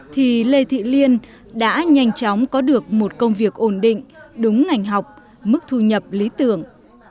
thì lê thị liên đã nhanh chóng có được một công việc ổn định đúng ngành học mức thu nhập lý tưởng